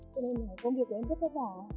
cho nên là công việc của em rất rất nhỏ